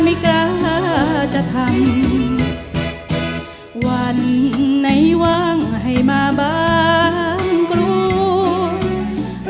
ให้หลายคลามิกราจะทำวันไหนว่างให้มาบ้างกลูก